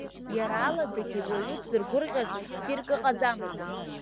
Иара аладагьы уаҩы дзыргәырӷьашаз ссирк ыҟаӡамызт…